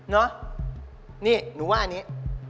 นี่หนูว่าอันนี้